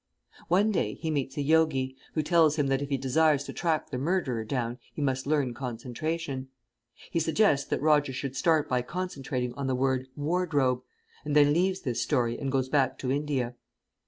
One day he meets a Yogi, who tells him that if he desires to track the murderer down he must learn concentration. He suggests that Roger should start by concentrating on the word "wardrobe," and then leaves this story and goes back to India.